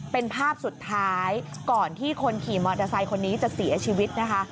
เป็นภาพสุดท้ายก่อนที่คนขี่มอเตอร์ไซค์คนนี้จะเสียชีวิตนะคะ